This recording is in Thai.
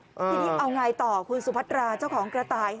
ทีนี้เอาไงต่อคุณสุพัตราเจ้าของกระต่าย